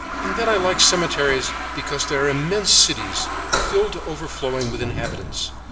"And then I like cemeteries because they are immense cities filled to overflowing with inhabitants.